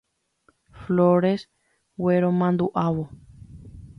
Flores gueromanduʼávo.